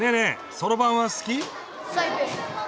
そろばんは好き？